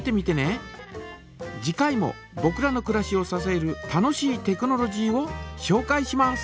次回もぼくらのくらしをささえる楽しいテクノロジーをしょうかいします。